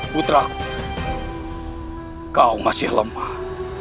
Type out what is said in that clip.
putraku kau masih lemah